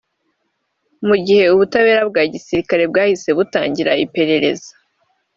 mu gihe ubutabera bwa Gisirikare bwahise butangira iperereza